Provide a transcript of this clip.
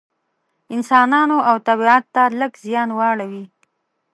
انسانانو او طبیعت ته لږ زیان واړوي.